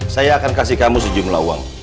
saya akan kasih kamu sejumlah uang